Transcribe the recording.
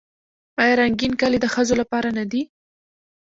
آیا رنګین کالي د ښځو لپاره نه دي؟